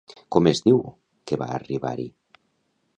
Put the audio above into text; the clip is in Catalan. Com es diu que va arribar-hi?